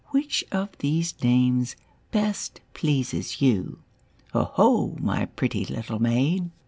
Which of these names best pleases you'?'' " 0 ho ! my pretty little maid.